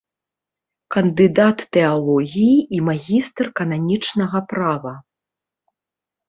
Кандыдат тэалогіі і магістр кананічнага права.